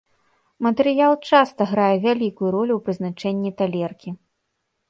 Матэрыял часта грае вялікую ролю ў прызначэнні талеркі.